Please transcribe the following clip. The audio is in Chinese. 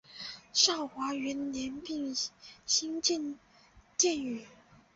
昭和元年并新建庙宇。